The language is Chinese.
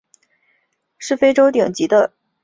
是非洲顶级的食肉动物。